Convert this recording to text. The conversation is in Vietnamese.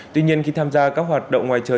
tuy nhiên khi tham gia các hoạt động ngoài trời